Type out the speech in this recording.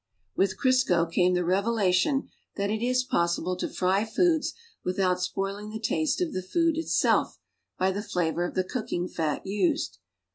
With Crisco came the revelation that it is possible to fry foods without spoiling the taste of the food itself l)y the flavor of the cooking fat u.sed.